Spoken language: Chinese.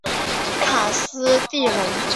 卡斯蒂隆。